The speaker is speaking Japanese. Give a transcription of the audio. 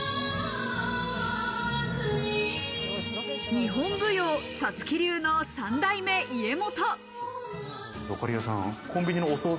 日本舞踊五月流の三代目家元。